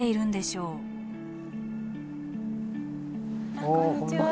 こんにちは。